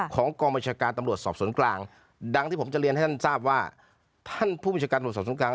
ของกองบัญชาการตำรวจสอบสวนกลางดังที่ผมจะเรียนให้ท่านทราบว่าท่านผู้บัญชาการตำรวจสอบสวนกลาง